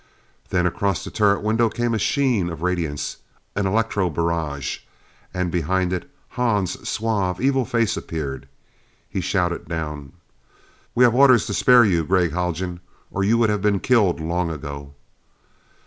Then across the turret window came a sheen of radiance an electrobarrage. And behind it, Hahn's suave, evil face appeared. He shouted down: "We have orders to spare you, Gregg Haljan or you would have been killed long ago!"